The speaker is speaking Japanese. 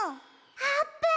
あーぷん！